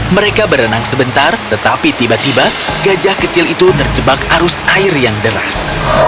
mereka berenang sebentar tetapi tiba tiba gajah kecil itu terjebak arus air yang deras